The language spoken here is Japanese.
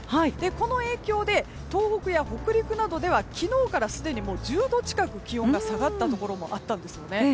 この影響で東北や北陸などでは昨日からすでに１０度近く気温が下がったところもあったんですよね。